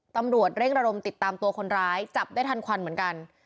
ตำรวจเร่งระดมติดตามตัวคนร้ายจับได้ทันควันเหมือนกัน